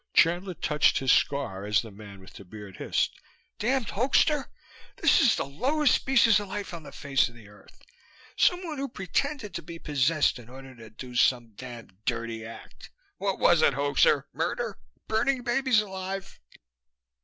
Chandler touched his scar as the man with the beard hissed, "Damned hoaxer! This is the lowest species of life on the face of the earth someone who pretended to be possessed in order to do some damned dirty act What was it, hoaxer? Murder? Burning babies alive?"